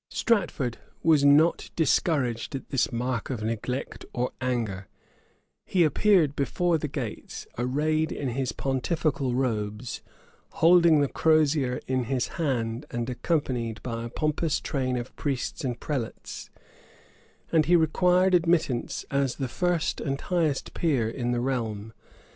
Stratford was not discouraged at this mark of neglect or anger: he appeared before the gates, arrayed in his pontifical robes, holding the crosier in his hand and accompanied by a pompous train of priests and prelates; and he required admittance as the first and highest peer in the realm.